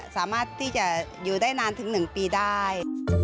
สามารถที่จะอยู่ได้นานถึง๑ปีได้